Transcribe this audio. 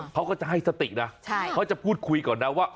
เขาก็จะให้สตินะเขาจะพูดคุยก่อนนะว่า